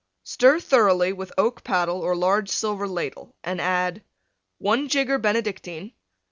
Stir thoroughly with oak paddle or large silver ladle, and add: 1 jigger Benedictine.